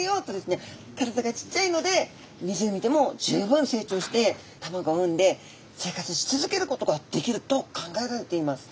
体がちっちゃいので湖でも十分成長して卵を産んで生活し続けることができると考えられています。